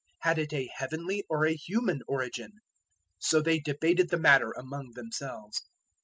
had it a heavenly or a human origin?" So they debated the matter among themselves.